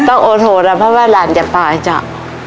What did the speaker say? หนักก็ต้องโอโธนะเพราะว่าหลานเด็ดปลายจ้าว